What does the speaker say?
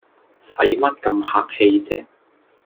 使乜咁客氣唧